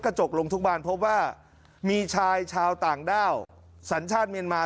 กระจกลงทุกบานพบว่ามีชายชาวต่างด้าวสัญชาติเมียนมา